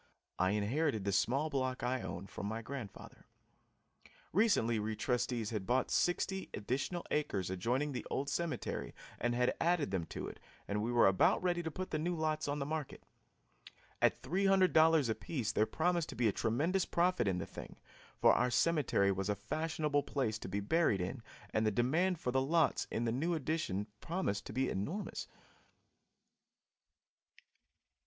I inherited the small block I own from my grandfather. Recently we trustees had bought sixty additional acres adjoining the old cemetery and had added them to it, and we were about ready to put the new lots on the market. At $300 apiece there promised to be a tremendous profit in the thing, for our cemetery was a fashionable place to be buried in and the demand for the lots in the new addition promised to be enormous.